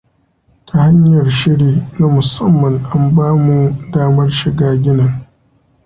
Ta hanyar shiri na musamman an ba mu damar shiga ginin.